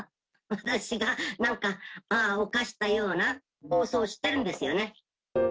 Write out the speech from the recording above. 私がなんか犯したような放送をしてるんですよね。